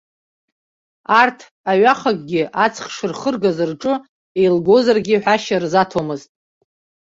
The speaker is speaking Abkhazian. Арҭ аҩахакгьы аҵх шырхыргаз рҿы еилгозаргьы ҳәашьа рзаҭомызт.